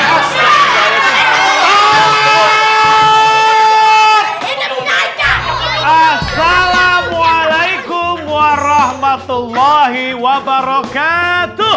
assalamualaikum warahmatullahi wabarakatuh